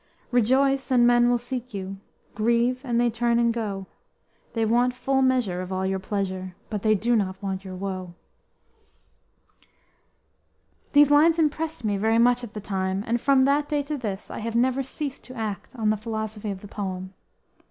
Rejoice, and men will seek you, Grieve, and they turn and go, They want full measure of all your pleasure But they do not want your woe!_ These lines impressed me very much at the time and from that day to this I have never ceased to act on the philosophy of the poem.